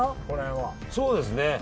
そうですね。